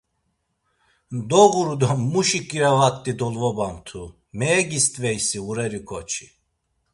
Doğuru do muşi ǩirevat̆i dolvobamtu, meyegist̆veysi ğureri ǩoçi…